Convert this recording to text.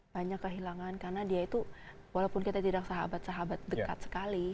banyak kehilangan karena dia itu walaupun kita tidak sahabat sahabat dekat sekali